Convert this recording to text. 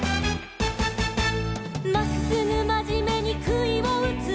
「まっすぐまじめにくいをうつ」